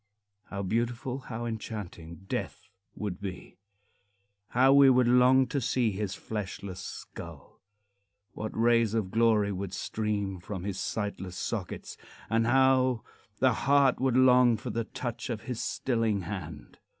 How beautiful, how enchanting, Death would be! How we would long to see his fleshless skull! What rays of glory would stream from his sightless sockets, and how the heart would long for the touch of his stilling hand!